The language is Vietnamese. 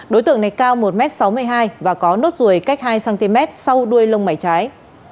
đối tượng này cao một m sáu mươi hai và có nốt ruồi cách hai cm sau đuôi lông mảy trái